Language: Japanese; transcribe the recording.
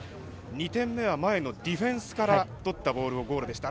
２点目は前のディフェンスからとったボールでのゴールでした。